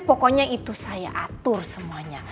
pokoknya itu saya atur semuanya